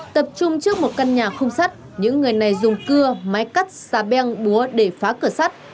tập trung trước một căn nhà không sắt những người này dùng cưa máy cắt xà beng búa để phá cửa sắt